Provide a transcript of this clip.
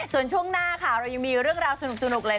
ส่วนช่วงหน้าค่ะเรายังมีเรื่องราวสนุกเลย